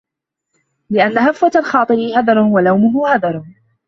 لِأَنَّ هَفْوَةَ الْخَاطِرِ هَدَرٌ وَلَوْمَهُ هَذْرٌ